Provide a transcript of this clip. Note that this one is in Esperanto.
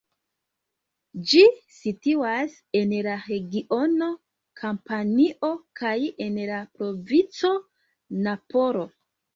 Ĝi situas en la regiono Kampanio kaj en la provinco Napolo.